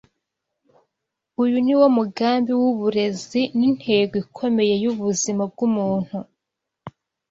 Uyu ni wo mugambi w’uburezi n’intego ikomeye y’ubuzima bw’umuntu.